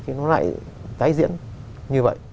thì nó lại tái diễn như vậy